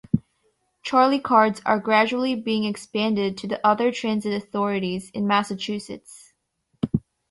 CharlieCards are gradually being expanded to the other transit authorities in Massachusetts.